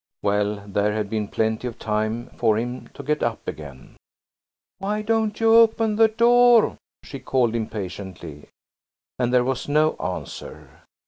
Well, there had been plenty of time for him to get up again. "Why don't you open the door?" she called impatiently. And there was no answer.